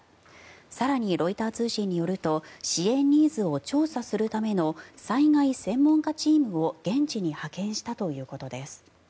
更にロイター通信によると支援ニーズを調査するための災害専門家チームを現地に派遣したということです。